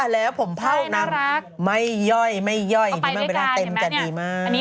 เป็นเบลล่าโลกไหมก็บอกว่านี้